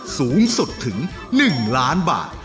สูงสุดถึง๑ล้านบาท